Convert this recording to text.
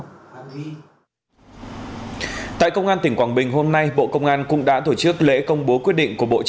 chúc trưởng bộ công an tỉnh quảng bình hôm nay bộ công an cung olá